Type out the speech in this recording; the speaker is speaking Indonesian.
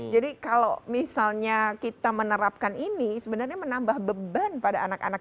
kalau misalnya kita menerapkan ini sebenarnya menambah beban pada anak anak